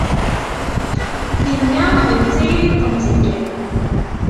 Tinna d tayri n temẓi kan.